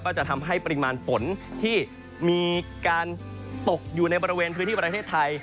จะทำให้ปริมาณฝนที่มีการตกอยู่ในบริเวณพื้นที่ประเทศไทย